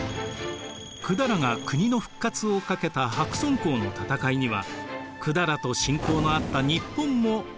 百済が国の復活をかけた白村江の戦いには百済と親交のあった日本も援軍を送っていました。